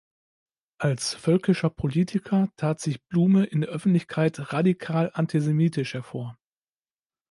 Als völkischer Politiker tat sich Blume in der Öffentlichkeit radikal antisemitisch hervor.